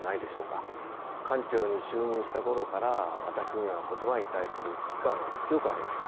館長に就任した頃から私には言葉に対する危機感が強くありました。